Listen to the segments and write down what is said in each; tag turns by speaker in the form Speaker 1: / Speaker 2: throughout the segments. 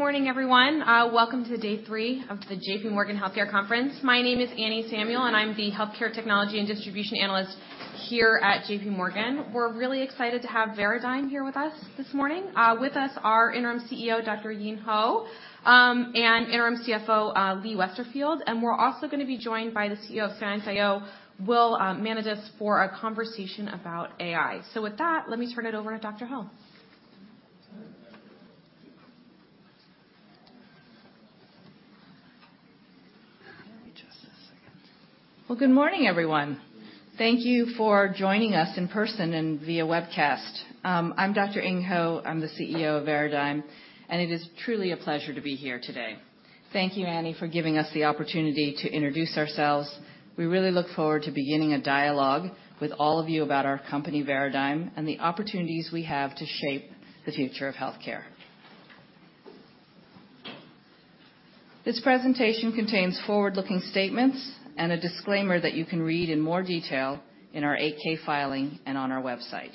Speaker 1: Good morning, everyone. Welcome to day three of the JPMorgan Healthcare Conference. My name is Anne Samuel, and I'm the healthcare technology and distribution analyst here at JPMorgan. We're really excited to have Veradigm here with us this morning. With us, our Interim CEO, Dr. Yin Ho, and Interim CFO, Lee Westerfield, and we're also gonna be joined by the CEO of ScienceIO, Will Manidis, for a conversation about AI. With that, let me turn it over to Dr. Ho.
Speaker 2: Well, good morning, everyone. Thank you for joining us in person and via webcast. I'm Dr. Yin Ho. I'm the CEO of Veradigm, and it is truly a pleasure to be here today. Thank you, Annie, for giving us the opportunity to introduce ourselves. We really look forward to beginning a dialogue with all of you about our company, Veradigm, and the opportunities we have to shape the future of healthcare. This presentation contains forward-looking statements and a disclaimer that you can read in more detail in our 8-K filing and on our website.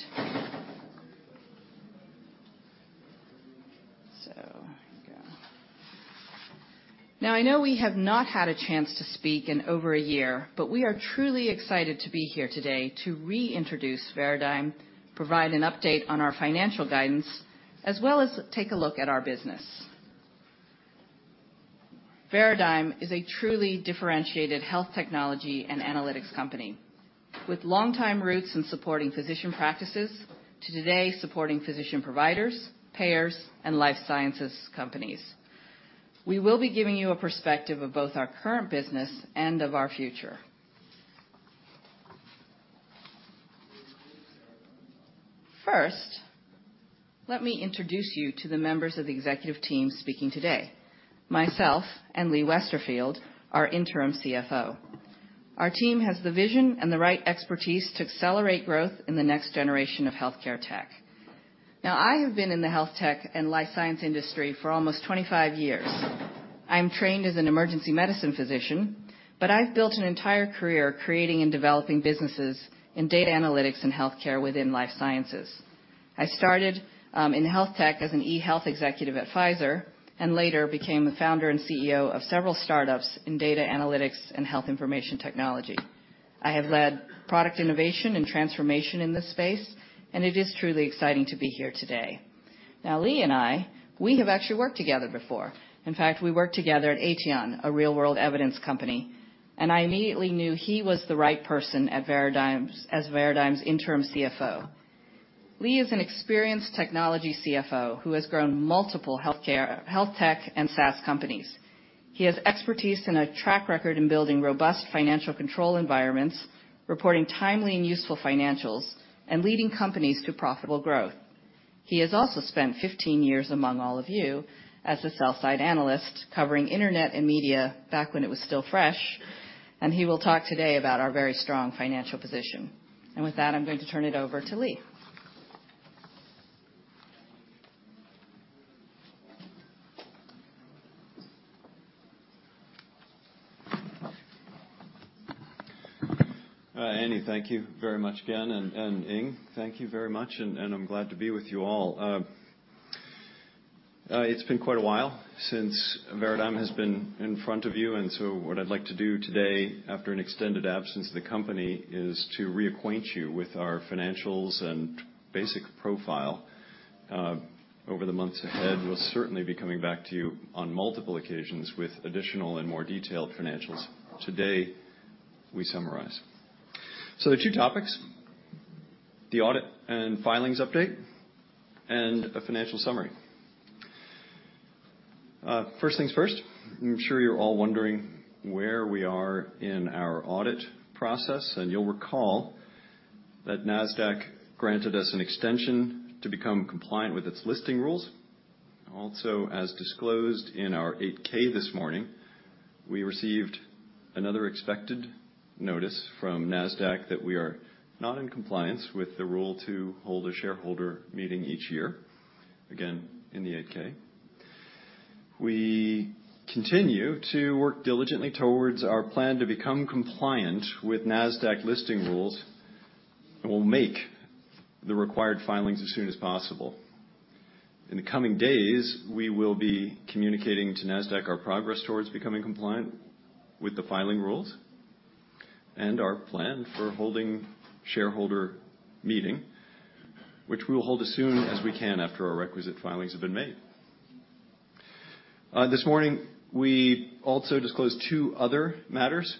Speaker 2: So, here we go. Now I know we have not had a chance to speak in over a year, but we are truly excited to be here today to reintroduce Veradigm, provide an update on our financial guidance, as well as take a look at our business. Veradigm is a truly differentiated health technology and analytics company. With longtime roots in supporting physician practices, to today, supporting physician providers, payers, and life sciences companies. We will be giving you a perspective of both our current business and of our future. First, let me introduce you to the members of the executive team speaking today, myself and Lee Westerfield, our interim CFO. Our team has the vision and the right expertise to accelerate growth in the next generation of healthcare tech. Now, I have been in the health tech and life science industry for almost 25 years. I'm trained as an emergency medicine physician, but I've built an entire career creating and developing businesses in data analytics and healthcare within life sciences. I started in health tech as an e-health executive at Pfizer and later became the founder and CEO of several startups in data analytics and health information technology. I have led product innovation and transformation in this space, and it is truly exciting to be here today. Now, Lee and I, we have actually worked together before. In fact, we worked together at Aetion, a real-world evidence company, and I immediately knew he was the right person as Veradigm's Interim CFO. Lee is an experienced technology CFO who has grown multiple healthcare, health tech, and SaaS companies. He has expertise and a track record in building robust financial control environments, reporting timely and useful financials, and leading companies to profitable growth. He has also spent 15 years among all of you as a sell-side analyst covering internet and media back when it was still fresh, and he will talk today about our very strong financial position. With that, I'm going to turn it over to Lee.
Speaker 3: Annie, thank you very much again, and Yin, thank you very much, and I'm glad to be with you all. It's been quite a while since Veradigm has been in front of you, and so what I'd like to do today, after an extended absence of the company, is to reacquaint you with our financials and basic profile. Over the months ahead, we'll certainly be coming back to you on multiple occasions with additional and more detailed financials. Today, we summarize. So there are two topics: the audit and filings update and a financial summary. First things first, I'm sure you're all wondering where we are in our audit process, and you'll recall that NASDAQ granted us an extension to become compliant with its listing rules. Also, as disclosed in our 8-K this morning, we received another expected notice from NASDAQ that we are not in compliance with the rule to hold a shareholder meeting each year, again, in the 8-K. We continue to work diligently towards our plan to become compliant with NASDAQ listing rules, and we'll make the required filings as soon as possible. In the coming days, we will be communicating to NASDAQ our progress towards becoming compliant with the filing rules and our plan for holding shareholder meeting, which we will hold as soon as we can after our requisite filings have been made. This morning, we also disclosed two other matters,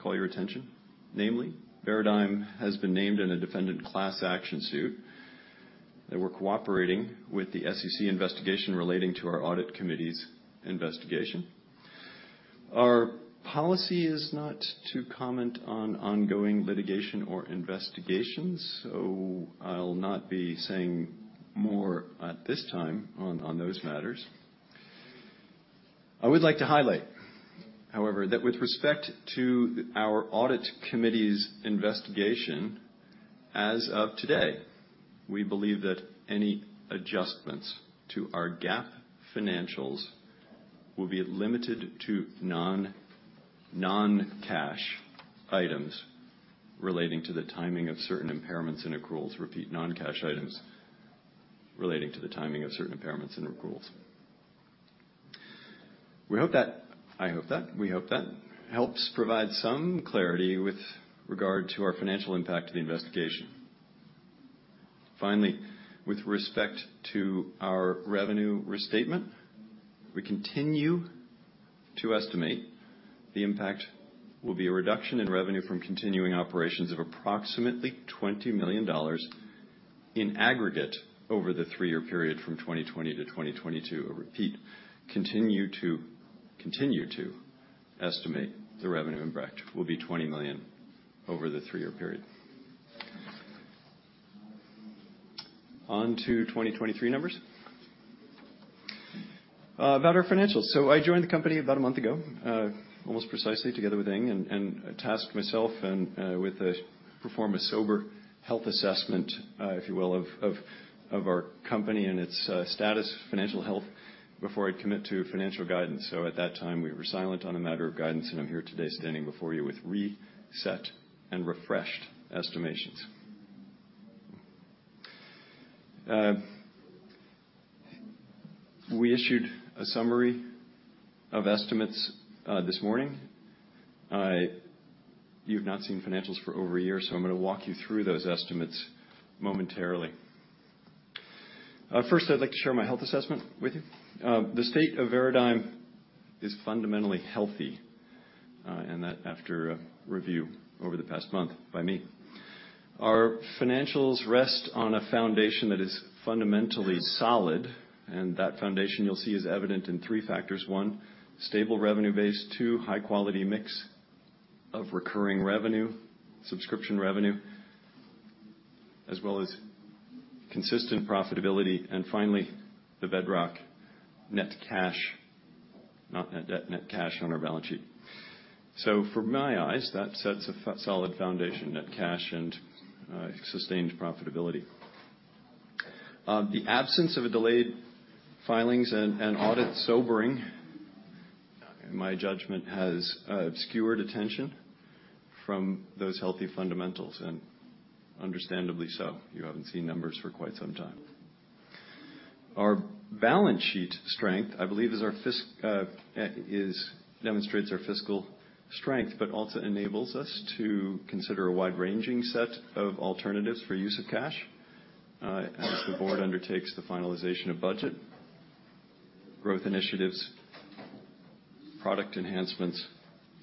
Speaker 3: call your attention. Namely, Veradigm has been named in a defendant class action suit, and we're cooperating with the SEC investigation relating to our audit committee's investigation. Our policy is not to comment on ongoing litigation or investigations, so I'll not be saying more at this time on those matters. I would like to highlight, however, that with respect to our audit committee's investigation, as of today, we believe that any adjustments to our GAAP financials will be limited to non-cash items relating to the timing of certain impairments and accruals. Repeat, non-cash items relating to the timing of certain impairments and accruals. We hope that helps provide some clarity with regard to our financial impact of the investigation. Finally, with respect to our revenue restatement, we continue to estimate the impact will be a reduction in revenue from continuing operations of approximately $20 million in aggregate over the three-year period from 2020 to 2022. I repeat, continue to estimate the revenue impact will be $20 million over the three-year period. On to 2023 numbers. About our financials. So I joined the company about a month ago, almost precisely, together with Yin, and tasked myself and with to perform a sober health assessment, if you will, of our company and its status, financial health, before I'd commit to financial guidance. So at that time, we were silent on a matter of guidance, and I'm here today standing before you with reset and refreshed estimations. We issued a summary of estimates this morning. You've not seen financials for over a year, so I'm gonna walk you through those estimates momentarily. First, I'd like to share my health assessment with you. The state of Veradigm is fundamentally healthy, and that after a review over the past month by me. Our financials rest on a foundation that is fundamentally solid, and that foundation, you'll see, is evident in three factors: one, stable revenue base. Two, high-quality mix of recurring revenue, subscription revenue, as well as consistent profitability. And finally, the bedrock, net cash, not net debt, net cash on our balance sheet. So from my eyes, that sets a solid foundation, net cash and sustained profitability. The absence of a delayed filings and audit, sobering, in my judgment, has obscured attention from those healthy fundamentals, and understandably so. You haven't seen numbers for quite some time. Our balance sheet strength, I believe, is demonstrates our fiscal strength, but also enables us to consider a wide-ranging set of alternatives for use of cash, as the board undertakes the finalization of budget, growth initiatives, product enhancements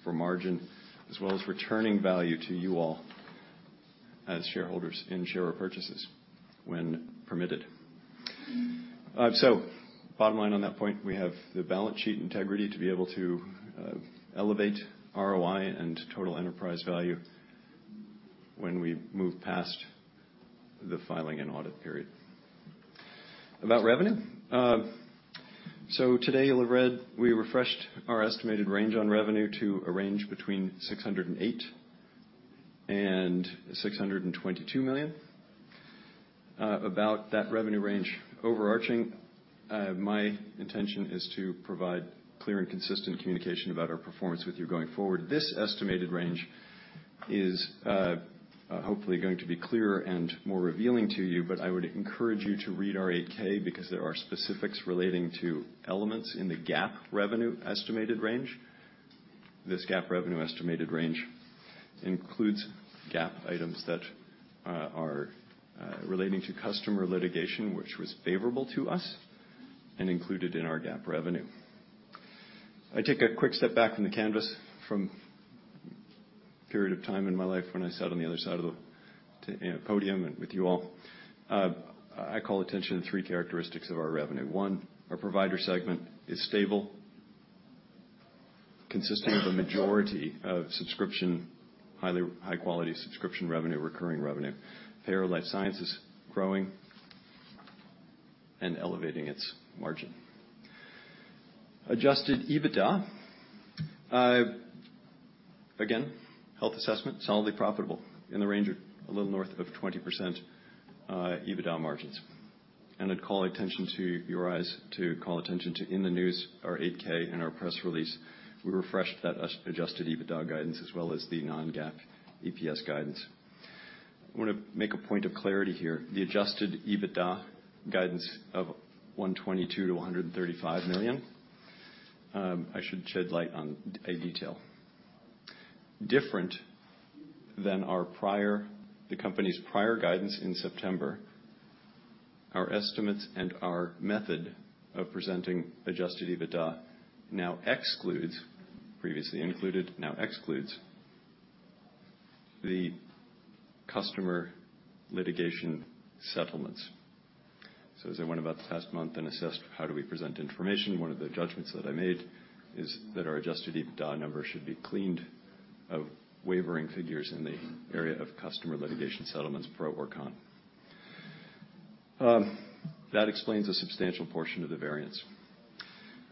Speaker 3: for margin, as well as returning value to you all as shareholders in share purchases when permitted. So bottom line on that point, we have the balance sheet integrity to be able to elevate ROI and total enterprise value when we move past the filing and audit period. About revenue, so today, you'll have read, we refreshed our estimated range on revenue to a range between $608 million and $622 million. About that revenue range, overarching, my intention is to provide clear and consistent communication about our performance with you going forward. This estimated range is hopefully going to be clearer and more revealing to you, but I would encourage you to read our 8-K because there are specifics relating to elements in the GAAP revenue estimated range. This GAAP revenue estimated range includes GAAP items that are relating to customer litigation, which was favorable to us and included in our GAAP revenue. I take a quick step back from the canvas from a period of time in my life when I sat on the other side of the table and with you all. I call attention to three characteristics of our revenue. One, our provider segment is stable, consisting of a majority of subscription, highly high-quality subscription revenue, recurring revenue. Payer Life Science is growing and elevating its margin. Adjusted EBITDA, again, health assessment, solidly profitable in the range of a little north of 20%, EBITDA margins. I'd call attention to your eyes to call attention to, in the news, our 8-K and our press release, we refreshed that adjusted EBITDA guidance, as well as the non-GAAP EPS guidance. I wanna make a point of clarity here. The adjusted EBITDA guidance of $122 million-$135 million, I should shed light on a detail. Different than the company's prior guidance in September, our estimates and our method of presenting adjusted EBITDA now excludes, previously included, now excludes the customer litigation settlements. As I went about the past month and assessed how do we present information, one of the judgments that I made is that our Adjusted EBITDA numbers should be cleaned of wavering figures in the area of customer litigation settlements, pro or con. That explains a substantial portion of the variance.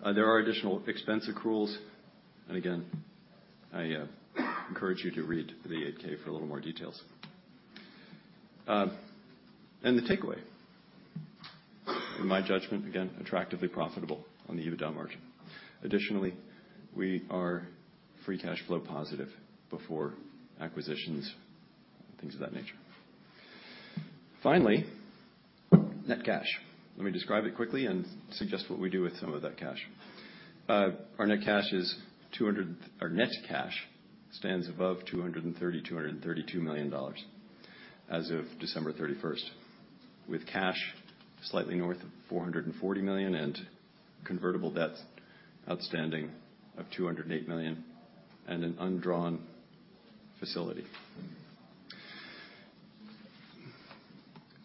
Speaker 3: There are additional expense accruals, and again, I encourage you to read the 8-K for a little more details. And the takeaway, in my judgment, again, attractively profitable on the EBITDA margin. Additionally, we are free cash flow positive before acquisitions, things of that nature. Finally, net cash. Let me describe it quickly and suggest what we do with some of that cash. Our net cash stands above $232 million as of December 31st, with cash slightly north of $440 million, and convertible debt outstanding of $208 million, and an undrawn facility.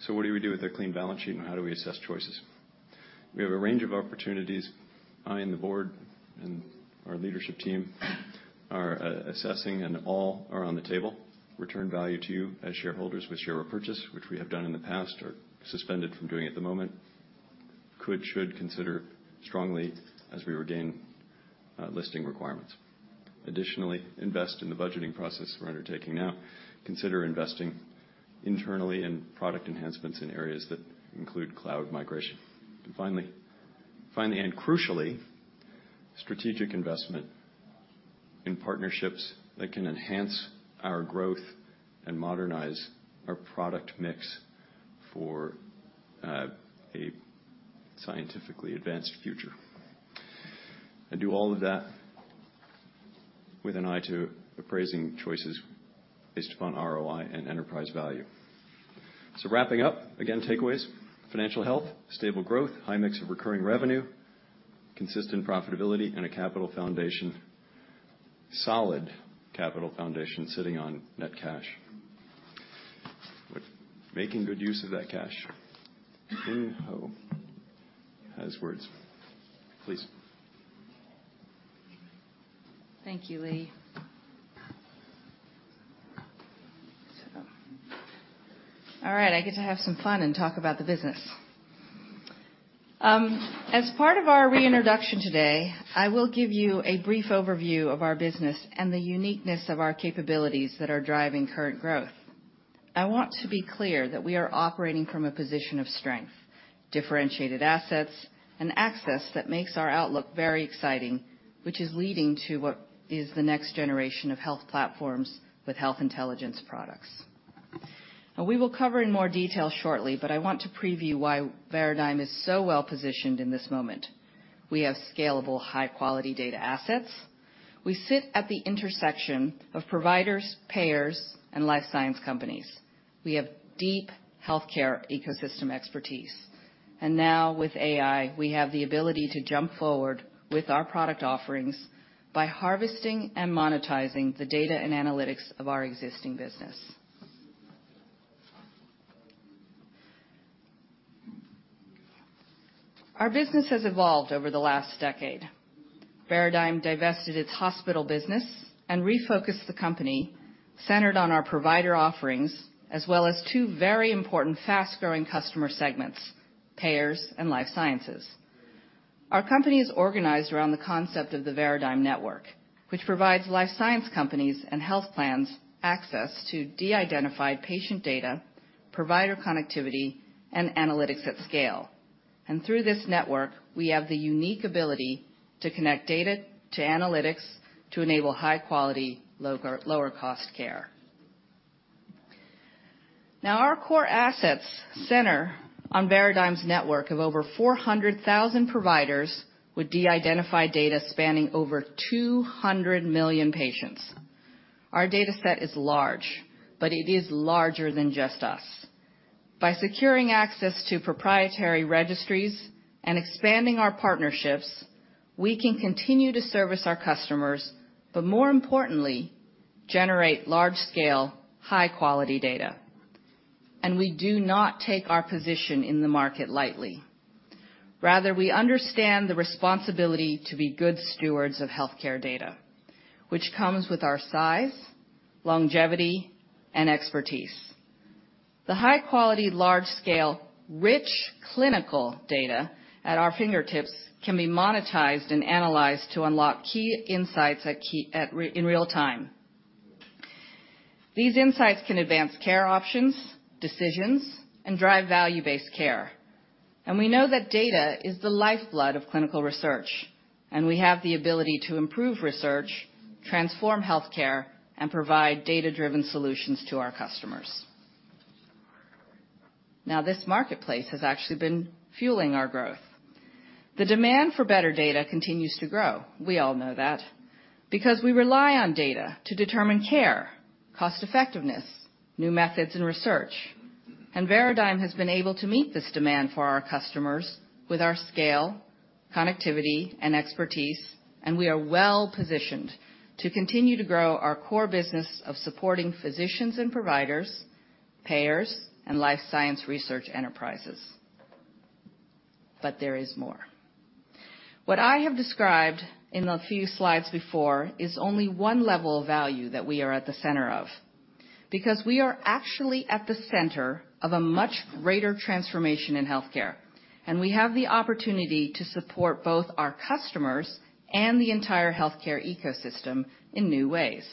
Speaker 3: So what do we do with a clean balance sheet, and how do we assess choices? We have a range of opportunities, I and the board and our leadership team are assessing, and all are on the table. Return value to you as shareholders with share repurchase, which we have done in the past, are suspended from doing at the moment. Could should consider strongly as we regain listing requirements. Additionally, invest in the budgeting process we're undertaking now. Consider investing internally in product enhancements in areas that include cloud migration. And finally, finally, and crucially, strategic investment in partnerships that can enhance our growth and modernize our product mix for a scientifically advanced future. Do all of that with an eye to appraising choices based upon ROI and enterprise value. So wrapping up, again, takeaways: financial health, stable growth, high mix of recurring revenue, consistent profitability, and a capital foundation, solid capital foundation, sitting on net cash. With making good use of that cash. Yin Ho has words. Please.
Speaker 2: Thank you, Lee. So all right, I get to have some fun and talk about the business. As part of our reintroduction today, I will give you a brief overview of our business and the uniqueness of our capabilities that are driving current growth. I want to be clear that we are operating from a position of strength, differentiated assets, and access that makes our outlook very exciting, which is leading to what is the next generation of health platforms with health intelligence products. And we will cover in more detail shortly, but I want to preview why Veradigm is so well positioned in this moment. We have scalable, high-quality data assets. We sit at the intersection of providers, payers, and life science companies. We have deep healthcare ecosystem expertise, and now with AI, we have the ability to jump forward with our product offerings by harvesting and monetizing the data and analytics of our existing business. Our business has evolved over the last decade. Veradigm divested its hospital business and refocused the company centered on our provider offerings, as well as two very important fast-growing customer segments: payers and life sciences. Our company is organized around the concept of the Veradigm Network, which provides life science companies and health plans access to de-identified patient data, provider connectivity, and analytics at scale. Through this network, we have the unique ability to connect data to analytics to enable high quality, lower, lower cost care. Now, our core assets center on Veradigm's network of over 400,000 providers, with de-identified data spanning over 200 million patients. Our data set is large, but it is larger than just us. By securing access to proprietary registries and expanding our partnerships, we can continue to service our customers, but more importantly, generate large-scale, high-quality data. And we do not take our position in the market lightly. Rather, we understand the responsibility to be good stewards of healthcare data, which comes with our size, longevity, and expertise. The high quality, large scale, rich clinical data at our fingertips can be monetized and analyzed to unlock key insights in real time. These insights can advance care options, decisions, and drive value-based care. And we know that data is the lifeblood of clinical research, and we have the ability to improve research, transform healthcare, and provide data-driven solutions to our customers. Now, this marketplace has actually been fueling our growth. The demand for better data continues to grow, we all know that, because we rely on data to determine care, cost effectiveness, new methods, and research. And Veradigm has been able to meet this demand for our customers with our scale, connectivity, and expertise, and we are well positioned to continue to grow our core business of supporting physicians and providers, payers, and life science research enterprises. But there is more. What I have described in the few slides before is only one level of value that we are at the center of, because we are actually at the center of a much greater transformation in healthcare... and we have the opportunity to support both our customers and the entire healthcare ecosystem in new ways.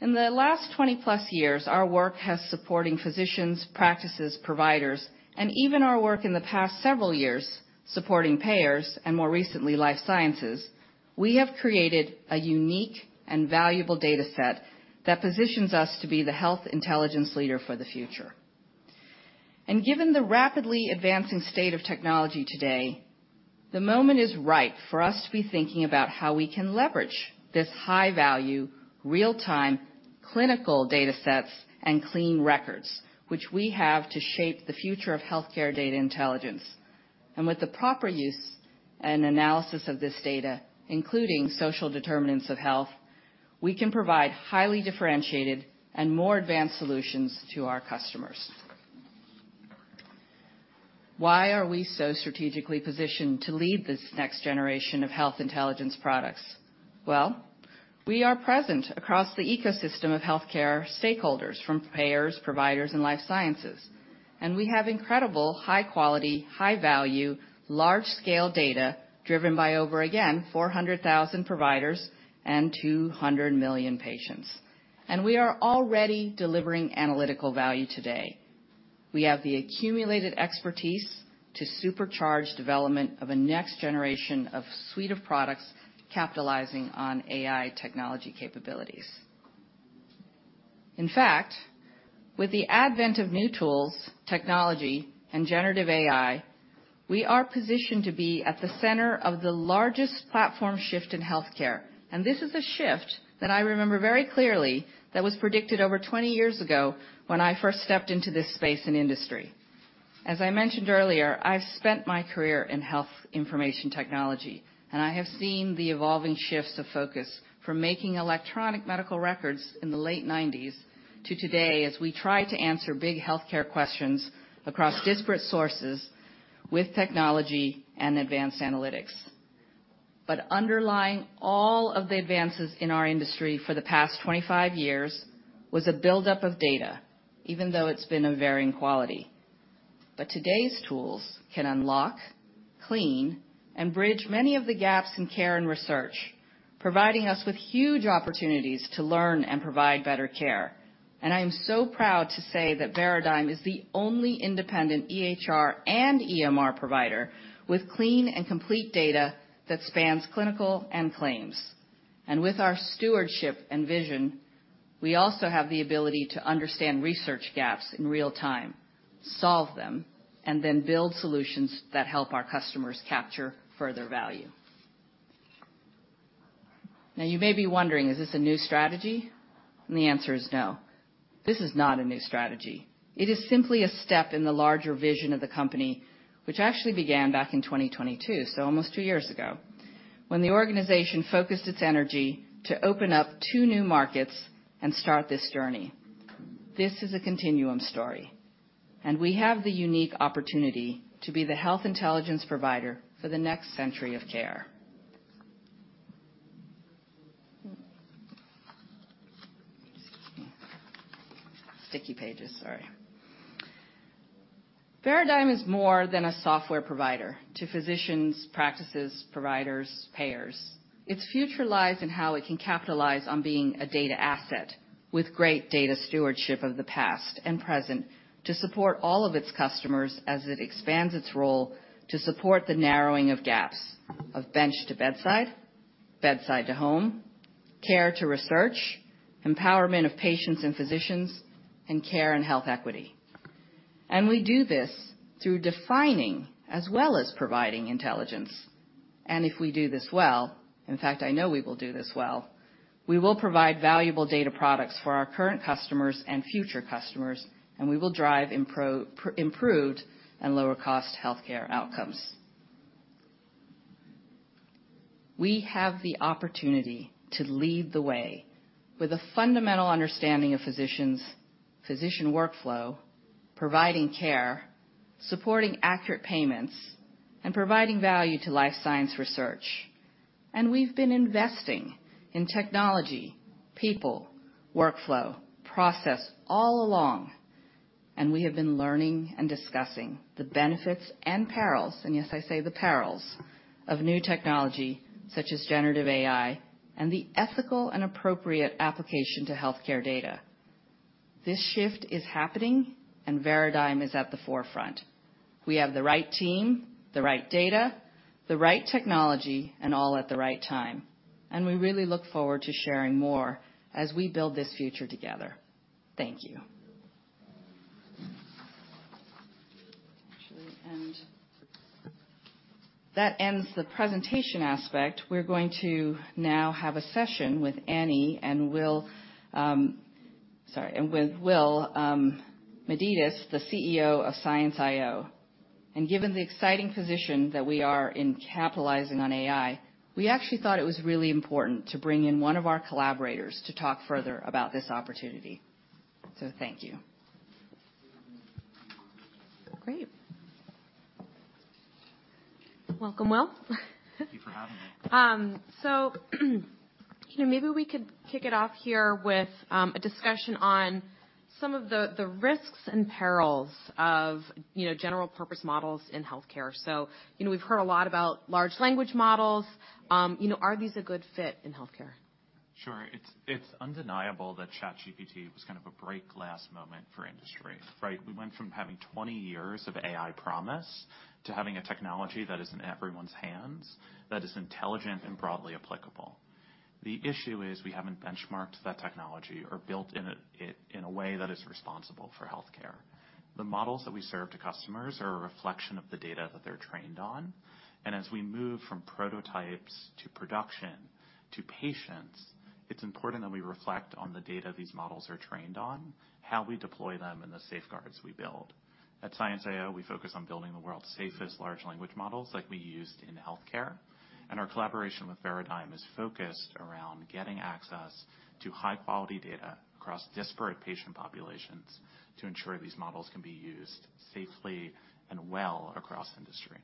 Speaker 2: In the last 20+ years, our work has supporting physicians, practices, providers, and even our work in the past several years, supporting payers and more recently, life sciences. We have created a unique and valuable data set that positions us to be the health intelligence leader for the future. Given the rapidly advancing state of technology today, the moment is right for us to be thinking about how we can leverage this high value, real-time, clinical data sets and clean records, which we have to shape the future of healthcare data intelligence. With the proper use and analysis of this data, including social determinants of health, we can provide highly differentiated and more advanced solutions to our customers. Why are we so strategically positioned to lead this next generation of health intelligence products? Well, we are present across the ecosystem of healthcare stakeholders, from payers, providers, and life sciences. We have incredible high quality, high value, large-scale data, driven by over, again, 400,000 providers and 200 million patients. We are already delivering analytical value today. We have the accumulated expertise to supercharge development of a next generation of suite of products capitalizing on AI technology capabilities. In fact, with the advent of new tools, technology, and generative AI, we are positioned to be at the center of the largest platform shift in healthcare, and this is a shift that I remember very clearly that was predicted over 20 years ago when I first stepped into this space and industry. As I mentioned earlier, I've spent my career in health information technology, and I have seen the evolving shifts of focus from making electronic medical records in the late nineties to today, as we try to answer big healthcare questions across disparate sources with technology and advanced analytics. But underlying all of the advances in our industry for the past 25 years was a buildup of data, even though it's been of varying quality. But today's tools can unlock, clean, and bridge many of the gaps in care and research, providing us with huge opportunities to learn and provide better care. And I am so proud to say that Veradigm is the only independent EHR and EMR provider with clean and complete data that spans clinical and claims. With our stewardship and vision, we also have the ability to understand research gaps in real time, solve them, and then build solutions that help our customers capture further value. Now, you may be wondering, is this a new strategy? And the answer is no. This is not a new strategy. It is simply a step in the larger vision of the company, which actually began back in 2022, so almost two years ago, when the organization focused its energy to open up two new markets and start this journey. This is a continuum story, and we have the unique opportunity to be the health intelligence provider for the next century of care. Sticky pages. Sorry. Veradigm is more than a software provider to physicians, practices, providers, payers. Its future lies in how it can capitalize on being a data asset with great data stewardship of the past and present, to support all of its customers as it expands its role to support the narrowing of gaps of bench to bedside, bedside to home, care to research, empowerment of patients and physicians, and care and health equity. And we do this through defining as well as providing intelligence. And if we do this well, in fact, I know we will do this well, we will provide valuable data products for our current customers and future customers, and we will drive improved and lower cost healthcare outcomes. We have the opportunity to lead the way with a fundamental understanding of physicians, physician workflow, providing care, supporting accurate payments, and providing value to life science research. And we've been investing in technology, people, workflow, process all along, and we have been learning and discussing the benefits and perils, and yes, I say the perils, of new technology such as generative AI and the ethical and appropriate application to healthcare data. This shift is happening, and Veradigm is at the forefront. We have the right team, the right data, the right technology, and all at the right time, and we really look forward to sharing more as we build this future together. Thank you. Actually, and that ends the presentation aspect. We're going to now have a session with Anne and Will, sorry, and with Will Manidis, the CEO of ScienceIO. And given the exciting position that we are in capitalizing on AI, we actually thought it was really important to bring in one of our collaborators to talk further about this opportunity. So thank you. Great....
Speaker 1: Welcome, Will.
Speaker 4: Thank you for having me.
Speaker 1: So, you know, maybe we could kick it off here with a discussion on some of the risks and perils of, you know, general purpose models in healthcare. So, you know, we've heard a lot about large language models. You know, are these a good fit in healthcare?
Speaker 4: Sure. It's, it's undeniable that ChatGPT was kind of a break glass moment for industry, right? We went from having 20 years of AI promise to having a technology that is in everyone's hands, that is intelligent and broadly applicable. The issue is we haven't benchmarked that technology or built it in a way that is responsible for healthcare. The models that we serve to customers are a reflection of the data that they're trained on, and as we move from prototypes to production to patients, it's important that we reflect on the data these models are trained on, how we deploy them, and the safeguards we build. At ScienceIO, we focus on building the world's safest large language models, like we used in healthcare, and our collaboration with Veradigm is focused around getting access to high-quality data across disparate patient populations to ensure these models can be used safely and well across industry.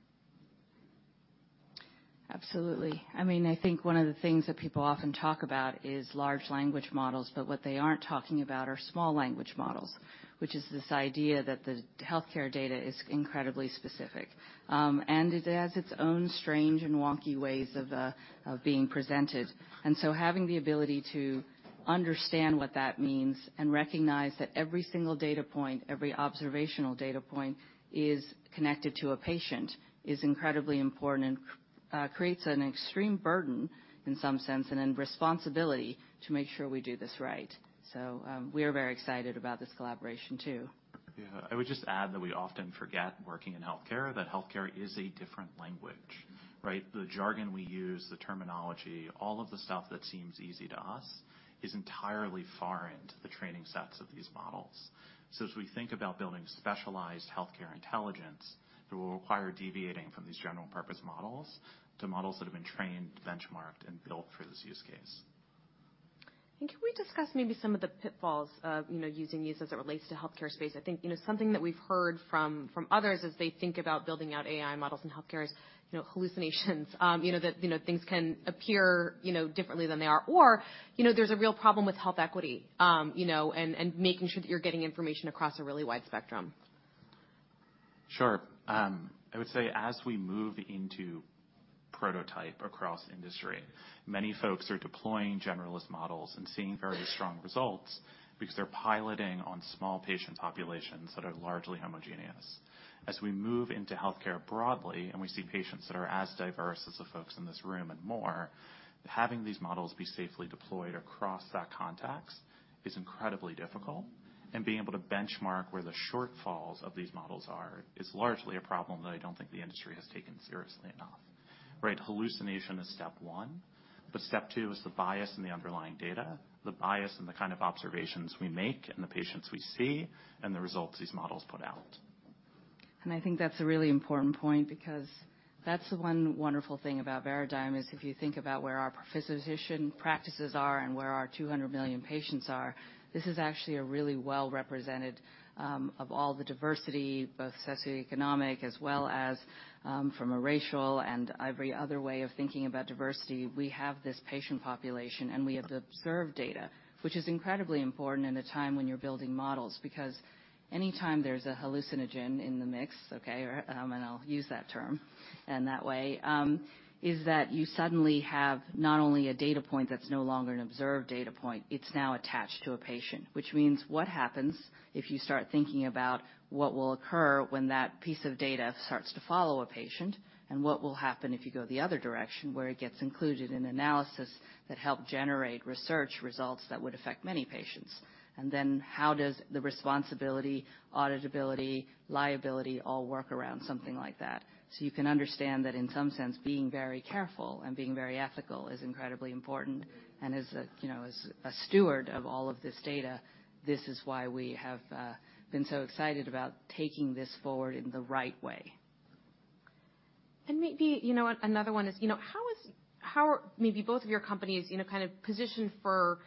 Speaker 2: Absolutely. I mean, I think one of the things that people often talk about is large language models, but what they aren't talking about are small language models, which is this idea that the healthcare data is incredibly specific, and it has its own strange and wonky ways of being presented. And so having the ability to understand what that means and recognize that every single data point, every observational data point is connected to a patient, is incredibly important and creates an extreme burden in some sense, and in responsibility to make sure we do this right. So, we are very excited about this collaboration, too.
Speaker 4: Yeah. I would just add that we often forget, working in healthcare, that healthcare is a different language, right? The jargon we use, the terminology, all of the stuff that seems easy to us is entirely foreign to the training sets of these models. So as we think about building specialized healthcare intelligence, it will require deviating from these general purpose models to models that have been trained, benchmarked, and built for this use case.
Speaker 1: Can we discuss maybe some of the pitfalls of, you know, using these as it relates to healthcare space? I think, you know, something that we've heard from others as they think about building out AI models in healthcare is, you know, hallucinations. You know, that, you know, things can appear, you know, differently than they are, or, you know, there's a real problem with health equity, you know, and making sure that you're getting information across a really wide spectrum.
Speaker 4: Sure. I would say as we move into production across industry, many folks are deploying generalist models and seeing very strong results because they're piloting on small patient populations that are largely homogeneous. As we move into healthcare broadly, and we see patients that are as diverse as the folks in this room and more, having these models be safely deployed across that context is incredibly difficult, and being able to benchmark where the shortfalls of these models are is largely a problem that I don't think the industry has taken seriously enough, right? Hallucination is step one, but step two is the bias in the underlying data, the bias in the kind of observations we make, and the patients we see, and the results these models put out.
Speaker 2: I think that's a really important point because that's the one wonderful thing about Veradigm, is if you think about where our physician practices are and where our 200 million patients are, this is actually a really well represented of all the diversity, both socioeconomic as well as from a racial and every other way of thinking about diversity. We have this patient population, and we have the observed data, which is incredibly important in a time when you're building models, because anytime there's a hallucination in the mix, okay, and I'll use that term, and that way is that you suddenly have not only a data point that's no longer an observed data point, it's now attached to a patient. Which means what happens if you start thinking about what will occur when that piece of data starts to follow a patient, and what will happen if you go the other direction, where it gets included in analysis that help generate research results that would affect many patients? And then how does the responsibility, auditability, liability, all work around something like that? So you can understand that in some sense, being very careful and being very ethical is incredibly important and is a, you know, as a steward of all of this data, this is why we have been so excited about taking this forward in the right way.
Speaker 1: Maybe, you know what? Another one is, you know, how are maybe both of your companies, you know, kind of positioned for,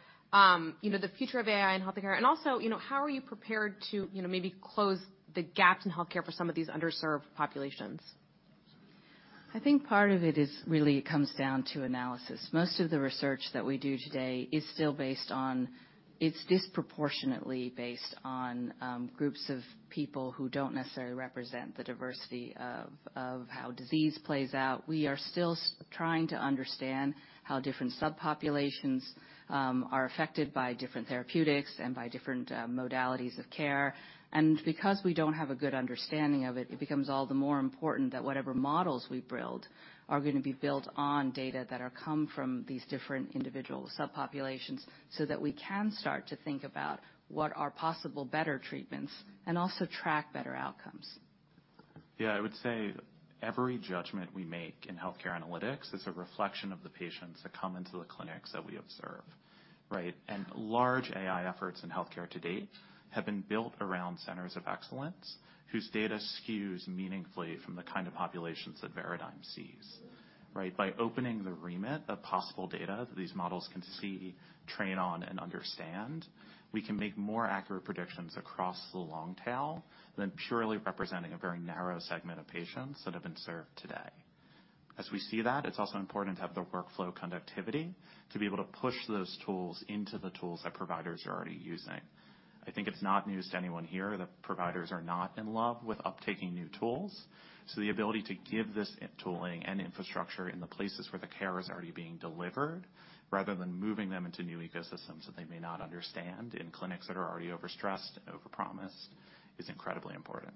Speaker 1: you know, the future of AI in healthcare, and also, you know, how are you prepared to, you know, maybe close the gaps in healthcare for some of these underserved populations?
Speaker 2: I think part of it is really it comes down to analysis. Most of the research that we do today is still disproportionately based on groups of people who don't necessarily represent the diversity of how disease plays out. We are still trying to understand how different subpopulations are affected by different therapeutics and by different modalities of care. And because we don't have a good understanding of it, it becomes all the more important that whatever models we build are gonna be built on data that are come from these different individual subpopulations, so that we can start to think about what are possible better treatments and also track better outcomes.
Speaker 4: Yeah, I would say every judgment we make in healthcare analytics is a reflection of the patients that come into the clinics that we observe, right? Large AI efforts in healthcare to date have been built around centers of excellence, whose data skews meaningfully from the kind of populations that Veradigm sees. Right, by opening the remit of possible data that these models can see, train on, and understand, we can make more accurate predictions across the long tail than purely representing a very narrow segment of patients that have been served today. As we see that, it's also important to have the workflow conductivity to be able to push those tools into the tools that providers are already using. I think it's not news to anyone here that providers are not in love with uptaking new tools, so the ability to give this tooling and infrastructure in the places where the care is already being delivered, rather than moving them into new ecosystems that they may not understand in clinics that are already overstressed and overpromised, is incredibly important.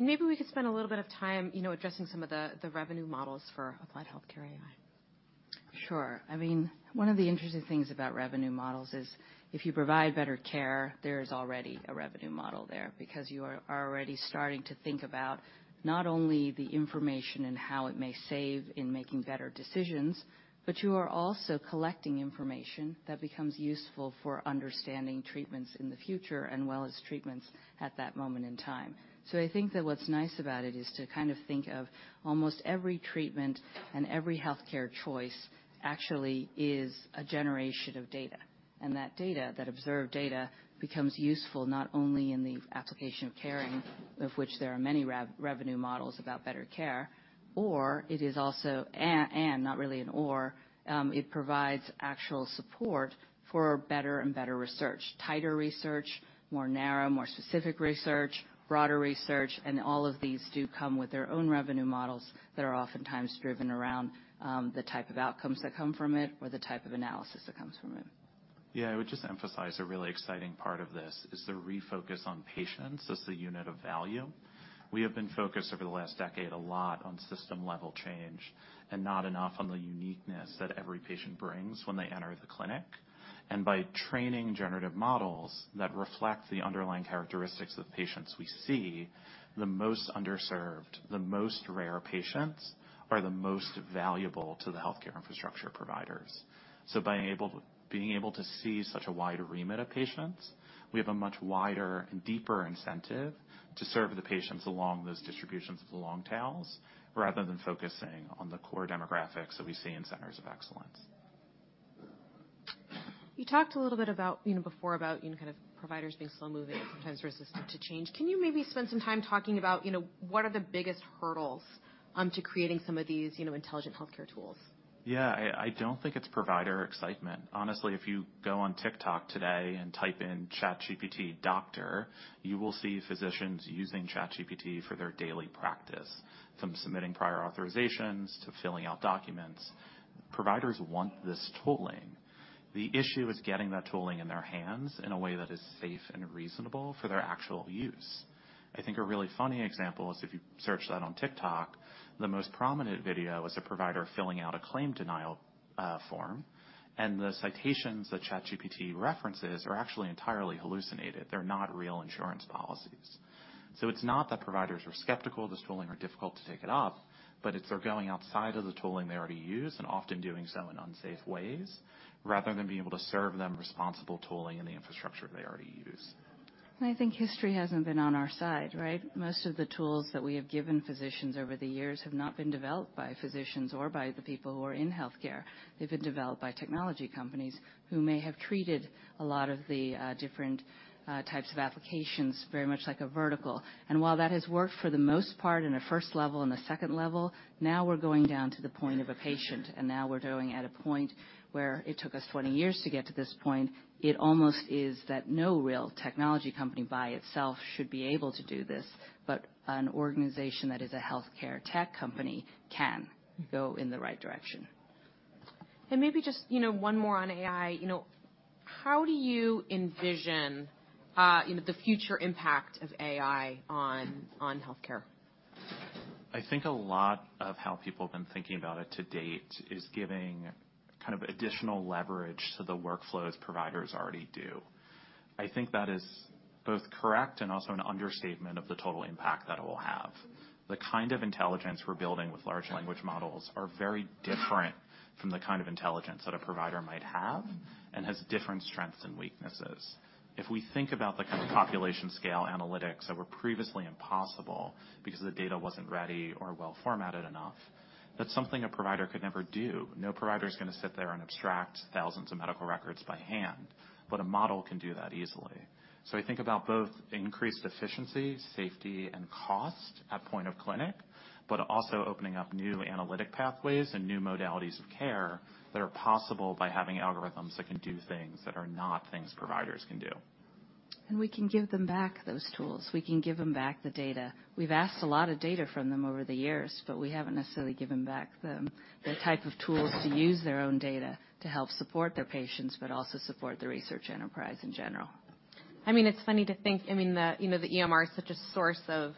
Speaker 1: Maybe we could spend a little bit of time, you know, addressing some of the revenue models for applied healthcare AI.
Speaker 2: Sure. I mean, one of the interesting things about revenue models is if you provide better care, there is already a revenue model there, because you are already starting to think about not only the information and how it may save in making better decisions, but you are also collecting information that becomes useful for understanding treatments in the future and as well as treatments at that moment in time. So I think that what's nice about it is to kind of think of almost every treatment and every healthcare choice actually is a generation of data, and that data, that observed data, becomes useful not only in the application of caring, of which there are many revenue models about better care, or it is also... Not really an or, it provides actual support for better and better research, tighter research, more narrow, more specific research, broader research, and all of these do come with their own revenue models that are oftentimes driven around the type of outcomes that come from it or the type of analysis that comes from it.
Speaker 4: Yeah, I would just emphasize a really exciting part of this is the refocus on patients as the unit of value. We have been focused over the last decade a lot on system-level change and not enough on the uniqueness that every patient brings when they enter the clinic. And by training generative models that reflect the underlying characteristics of patients we see, the most underserved, the most rare patients, are the most valuable to the healthcare infrastructure providers. So by being able to see such a wide remit of patients, we have a much wider and deeper incentive to serve the patients along those distributions of the long tails, rather than focusing on the core demographics that we see in centers of excellence.
Speaker 1: You talked a little bit about, you know, before, about, you know, kind of providers being slow-moving and sometimes resistant to change. Can you maybe spend some time talking about, you know, what are the biggest hurdles to creating some of these, you know, intelligent healthcare tools?
Speaker 4: Yeah. I don't think it's provider excitement. Honestly, if you go on TikTok today and type in ChatGPT doctor, you will see physicians using ChatGPT for their daily practice, from submitting prior authorizations to filling out documents. Providers want this tooling. The issue is getting that tooling in their hands in a way that is safe and reasonable for their actual use. I think a really funny example is if you search that on TikTok, the most prominent video is a provider filling out a claim denial form, and the citations that ChatGPT references are actually entirely hallucinated. They're not real insurance policies. It's not that providers are skeptical this tooling or difficult to take it up, but it's they're going outside of the tooling they already use and often doing so in unsafe ways, rather than being able to serve them responsible tooling in the infrastructure they already use.
Speaker 2: I think history hasn't been on our side, right? Most of the tools that we have given physicians over the years have not been developed by physicians or by the people who are in healthcare. They've been developed by technology companies who may have treated a lot of the different types of applications very much like a vertical. And while that has worked for the most part in a first level and a second level, now we're going down to the point of a patient, and now we're going at a point where it took us 20 years to get to this point. It almost is that no real technology company by itself should be able to do this, but an organization that is a healthcare tech company can go in the right direction.
Speaker 1: Maybe just, you know, one more on AI. You know, how do you envision, you know, the future impact of AI on, on healthcare?
Speaker 4: I think a lot of how people have been thinking about it to date is giving kind of additional leverage to the workflows providers already do. I think that is both correct and also an understatement of the total impact that it will have. The kind of intelligence we're building with large language models are very different from the kind of intelligence that a provider might have and has different strengths and weaknesses. If we think about the kind of population scale analytics that were previously impossible because the data wasn't ready or well formatted enough, that's something a provider could never do. No provider is gonna sit there and abstract thousands of medical records by hand, but a model can do that easily. I think about both increased efficiency, safety, and cost at point of clinic, but also opening up new analytic pathways and new modalities of care that are possible by having algorithms that can do things that are not things providers can do.
Speaker 2: And we can give them back those tools. We can give them back the data. We've asked a lot of data from them over the years, but we haven't necessarily given back them the type of tools to use their own data to help support their patients, but also support the research enterprise in general.
Speaker 1: I mean, it's funny to think, I mean, you know, the EMR is such a source of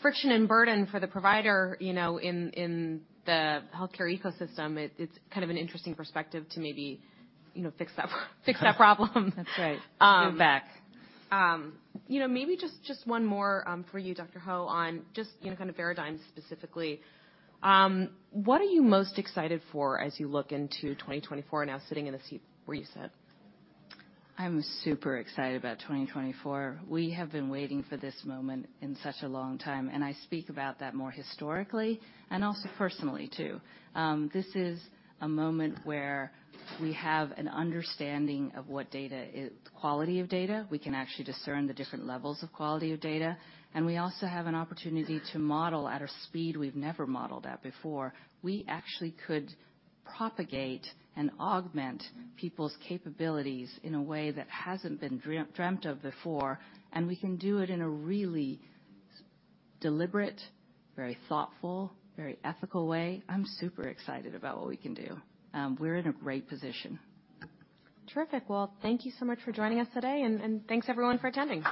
Speaker 1: friction and burden for the provider, you know, in the healthcare ecosystem. It's kind of an interesting perspective to maybe, you know, fix that problem.
Speaker 2: That's right. Give it back.
Speaker 1: You know, maybe just, just one more for you, Dr. Ho, on just, you know, kind of Veradigm specifically. What are you most excited for as you look into 2024, now sitting in the seat where you sit?
Speaker 2: I'm super excited about 2024. We have been waiting for this moment in such a long time, and I speak about that more historically and also personally, too. This is a moment where we have an understanding of what data is... Quality of data. We can actually discern the different levels of quality of data, and we also have an opportunity to model at a speed we've never modeled at before. We actually could propagate and augment people's capabilities in a way that hasn't been dreamt of before, and we can do it in a really deliberate, very thoughtful, very ethical way. I'm super excited about what we can do. We're in a great position.
Speaker 1: Terrific. Well, thank you so much for joining us today, and, and thanks, everyone, for attending.